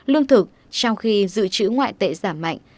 lương thực trong khi dự trữ ngoại tệ giảm mạnh